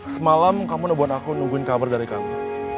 semalam kamu nebun aku nungguin kabar dari kamu